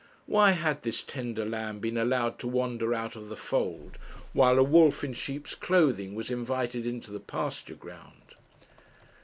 Why had this tender lamb been allowed to wander out of the fold, while a wolf in sheep's clothing was invited into the pasture ground?